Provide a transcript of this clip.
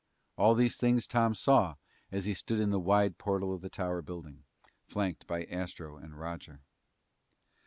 All these things Tom saw as he stood in the wide portal of the Tower Building, flanked by Astro and Roger.